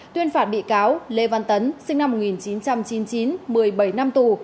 tuyên phạt bị cáo lê văn tấn sinh năm một nghìn chín trăm chín mươi chín một mươi bảy năm tù